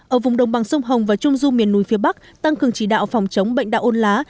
ở vùng đồng bằng sông hồng và trung du miền núi phía bắc tăng cường chỉ đạo phòng chống bệnh đạo ôn lá